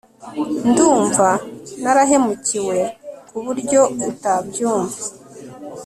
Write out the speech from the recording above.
ndumva narahemukiwe kuburyo utabyumva